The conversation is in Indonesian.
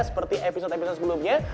seperti episode episode sebelumnya